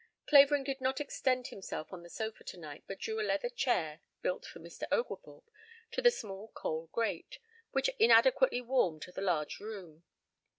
Clavering did not extend himself on the sofa tonight but drew a leather chair (built for Mr. Oglethorpe) to the small coal grate, which inadequately warmed the large room.